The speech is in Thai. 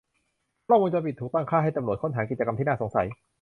กล้องวงจรปิดถูกตั้งค่าให้ตำรวจค้นหากิจกรรมที่น่าสงสัย